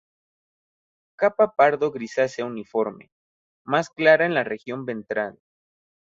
Capa pardo-grisácea uniforme, más clara en la región ventral.